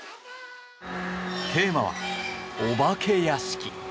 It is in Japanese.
テーマは「お化け屋敷」。